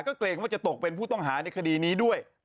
ก็เกรงว่าจะตกเป็นผู้ต้องหาในคดีนี้ด้วย